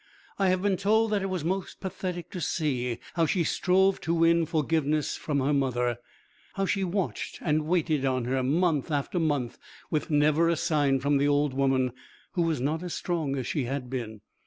I have been told that it was most pathetic to see how she strove to win forgiveness from her mother, how she watched and waited on her month after month with never a sign from the old woman, who was not as strong as she had been.